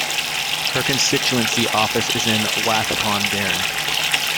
Her constituency office is in Wath-upon-Dearne.